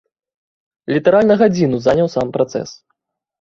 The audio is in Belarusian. Літаральна гадзіну заняў сам працэс.